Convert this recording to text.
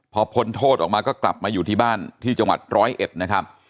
พอพ้นโทษออกมาก็กลับมาอยู่ที่บ้านที่จังหวัดร้อยเอ็ดนะครับ